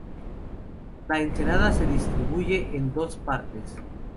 La ensenada se distribuye en dos partes.